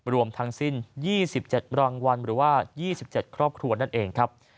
รวมทั้งสิ้น๒๗รางวัลหรือว่า๒๗ครอบครัวนั่นเองครับ